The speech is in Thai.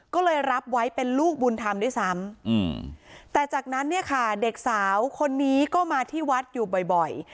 ก็เลยรับไว้เป็นลูกบุญธรรมด้วยซ้ำแต่จากนั้นเนี่ยค่ะเด็กสาวคนนี้ก็มาที่วัดอยู่บ่อย